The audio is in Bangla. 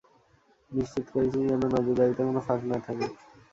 নিশ্চিত করছি যেন নজরদারীতে কোনও ফাঁক না থাকে।